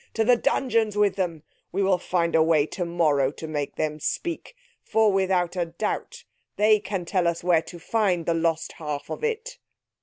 "To the dungeons with them! We will find a way, tomorrow, to make them speak. For without doubt they can tell us where to find the lost half of It."